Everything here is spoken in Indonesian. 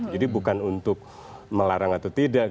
jadi bukan untuk melarang atau tidak